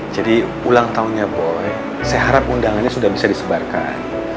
jadi ulang tahunnya bu saya harap undangannya sudah bisa disebarkan